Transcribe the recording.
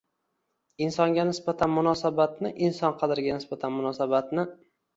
Insonga nisbatan munosabatni. Inson qadriga nisbatan munosabatni.